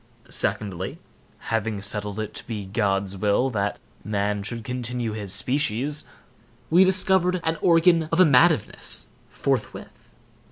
Secondly, having settled it to be God's will that man should continue his species, we discovered an organ of amativeness, forthwith.